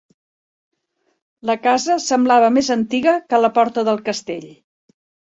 La casa semblava més antiga que la porta del castell.